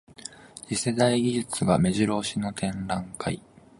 次世代技術がめじろ押しの展覧会